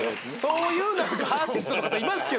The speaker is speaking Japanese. そういうアーティストの方いますけど。